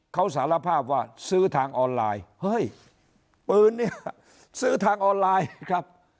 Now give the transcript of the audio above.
เขาสารภาพว่าซื้อทางออนไลน์เฮ้ยปืนเนี่ยซื้อทางออนไลน์ครับ